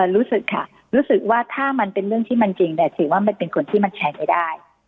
รู้สึกค่ะรู้สึกว่าถ้ามันเป็นเรื่องที่มันจริงเนี่ยถือว่ามันเป็นคนที่มันแชร์ไม่ได้